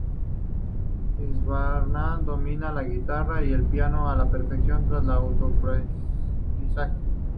Izambard domina la guitarra y el piano a la perfección, tras el autoaprendizaje.